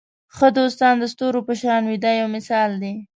ښه دوستان د ستورو په شان وي دا یو مثال دی.